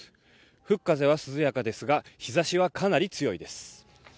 吹く風は涼やかですが日ざしはかなり強いです。